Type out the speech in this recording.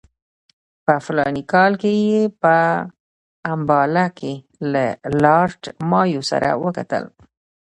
په فلاني کال کې یې په امباله کې له لارډ مایو سره وکتل.